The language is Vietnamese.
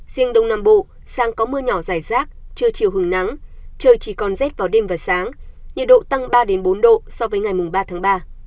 riêng đông nam bộ sang có mưa nhỏ dài rác trưa chiều hứng nắng trời chỉ còn rét vào đêm và sáng nhiệt độ tăng ba bốn độ so với ngày ba tháng ba